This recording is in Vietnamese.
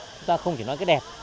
chúng ta không chỉ nói cái đẹp